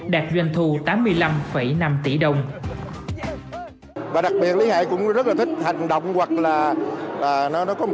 đạt doanh thu tám mươi năm năm tỷ đồng và đặc biệt lý hải cũng rất là thích hành động hoặc là nó có một